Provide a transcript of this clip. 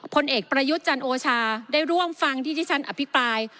ผลเอกประยุทธ์จันโอชาได้ร่วมฟังที่ที่ฉันอภิปราย